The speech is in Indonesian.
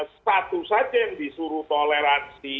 satu saja yang disuruh toleransi